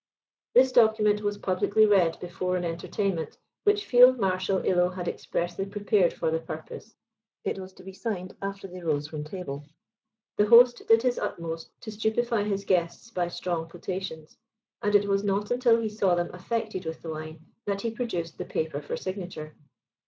This document was publicly read before an entertainment, which Field Marshal Illo had expressly prepared for the purpose; it was to be signed, after they rose from table. The host did his utmost to stupify his guests by strong potations; and it was not until he saw them affected with the wine, that he produced the paper for signature.